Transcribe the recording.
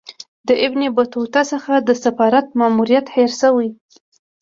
له ابن بطوطه څخه د سفارت ماموریت هېر سوی.